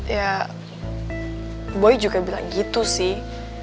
ya boy juga bilang gitu sih